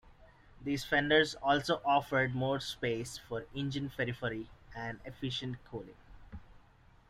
These fenders also offered more space for engine periphery and efficient cooling.